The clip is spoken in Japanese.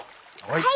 はい！